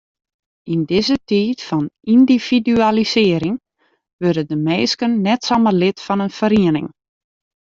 Yn dizze tiid fan yndividualisearring wurde de minsken net samar lid fan in feriening.